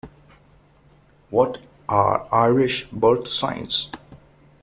What are Irish Birth Signs?